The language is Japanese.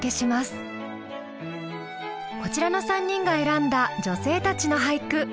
こちらの３人が選んだ女性たちの俳句。